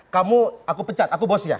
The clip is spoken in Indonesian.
kamu aku pecat aku bosnya